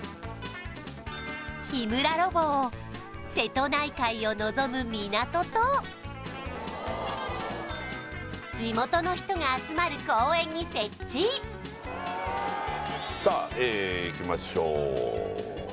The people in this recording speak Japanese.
日村ロボを瀬戸内海を望む港と地元の人が集まる公園に設置さあいきましょう